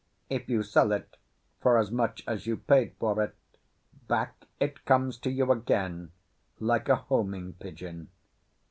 If you sell it for as much as you paid for it, back it comes to you again like a homing pigeon.